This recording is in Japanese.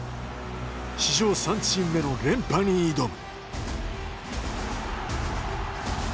史上３チーム目の連覇に挑む。